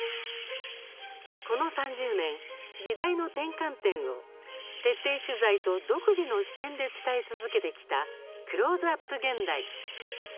この３０年、時代の転換点を徹底取材と独自の視点で伝え続けてきた「クローズアップ現代」。